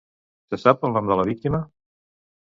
Se sap el nom de la víctima?